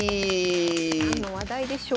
何の話題でしょうか。